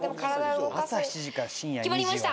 決まりました。